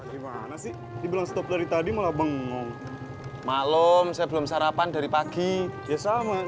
gimana sih dibilang stop dari tadi malah bengong malam saya belum sarapan dari pagi ya sama nih